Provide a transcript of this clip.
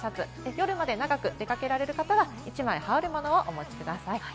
夜まで長く出かけられる方は１枚羽織るものをお持ちください。